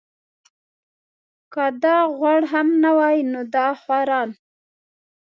که دا غوړ هم نه وای نو دا خواران.